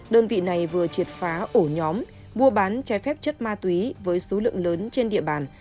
đơn vị này vừa triệt phá ổ nhóm mua bán trái phép chất ma túy với số lượng lớn trên địa bàn